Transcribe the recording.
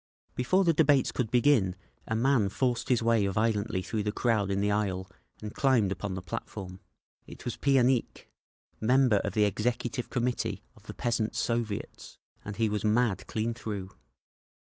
Before the debates could begin a man forced his way violently through the crowd in the aisle and climbed upon the platform. It was Pianikh, member of the Executive Committee of the Peasants' Soviets, and he was mad clean through.